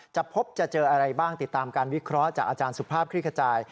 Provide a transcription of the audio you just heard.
จะพบจะเจออะไรบ้างติดตามการวิเคราะห์จากอาจารย์สุภาพคลิกขจาย